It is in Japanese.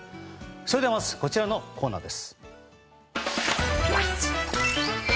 それでは、まずこちらのコーナーです。